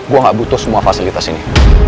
gue gak butuh semua fasilitas ini